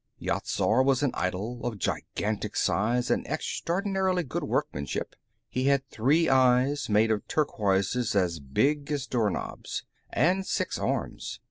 Yat Zar was an idol, of gigantic size and extraordinarily good workmanship; he had three eyes, made of turquoises as big as doorknobs, and six arms.